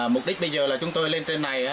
mục đích bây giờ là chúng tôi lên trên này